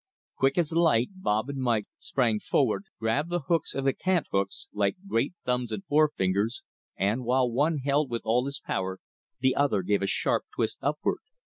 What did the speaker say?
Quick as light Bob and Mike sprang forward, gripped the hooks of the cant hooks, like great thumbs and forefingers, and, while one held with all his power, the other gave a sharp twist upward.